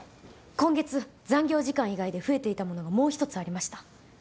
今月残業時間以外で増えていたものがもう１つありました。